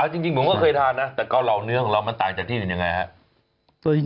จริงผมก็เคยทานนะแต่เกาเหล่าเนื้อของเรามันต่างจากที่อื่นยังไงครับ